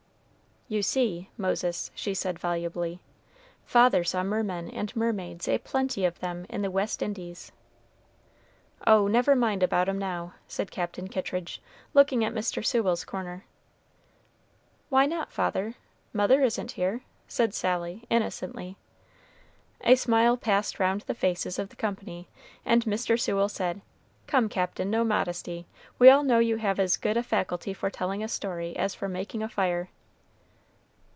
"You see, Moses," she said, volubly, "father saw mermen and mermaids a plenty of them in the West Indies." "Oh, never mind about 'em now," said Captain Kittridge, looking at Mr. Sewell's corner. "Why not, father? mother isn't here," said Sally, innocently. A smile passed round the faces of the company, and Mr. Sewell said, "Come, Captain, no modesty; we all know you have as good a faculty for telling a story as for making a fire."